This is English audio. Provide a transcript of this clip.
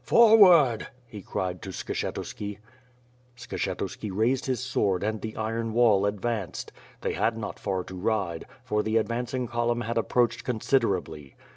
"Forward," he cried to Skshetuski. Skshetuski raised his sword and the iron wall advanced. They had not far to ride, for the advancing column had ap proached considerably.